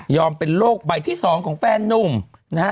เป็นโรคใบที่๒ของแฟนนุ่มนะฮะ